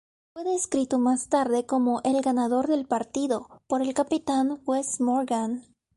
Fue descrito más tarde como el "ganador del partido" por el capitán Wes Morgan.